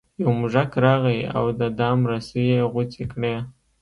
یو موږک راغی او د دام رسۍ یې غوڅې کړې.